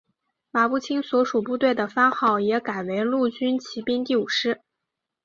马步青所属部队的番号也改为陆军骑兵第五师。